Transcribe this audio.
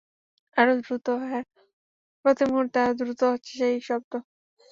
আরো দ্রুত, হ্যাঁ প্রতি মুহুর্তে আরো দ্রুত হচ্ছে সেই শব্দ।